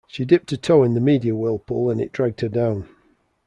She dipped a toe in the media whirlpool and it dragged her down.